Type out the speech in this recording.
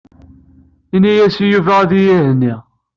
Ini-as i Yuba ad iyi-ihenni.